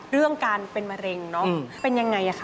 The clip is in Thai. เรื่องการเป็นมะเร็งเป็นอย่างไรคะ